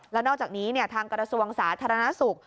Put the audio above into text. และนอกจากนี้ทางกรสวงศาสตร์ทรนศุกร์